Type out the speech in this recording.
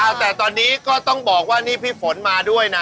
เอาแต่ตอนนี้ก็ต้องบอกว่านี่พี่ฝนมาด้วยนะ